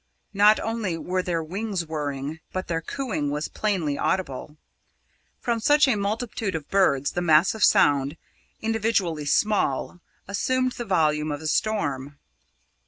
Not only were their wings whirring, but their cooing was plainly audible. From such a multitude of birds the mass of sound, individually small, assumed the volume of a storm.